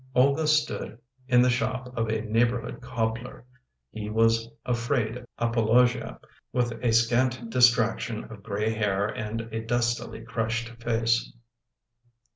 Olga stood in the shop of a neighborhood cobbler. He was a frayed apologia, with a scant distraction of gray hair and a dustily crushed face.